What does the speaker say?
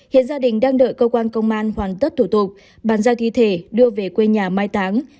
hiện gia đình đang đợi cơ quan công an hoàn tất thủ tục bàn giao thi thể đưa về quê nhà mai táng